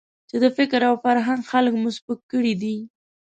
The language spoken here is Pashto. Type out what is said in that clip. چې د فکر او فرهنګ خلک مو سپک کړي دي.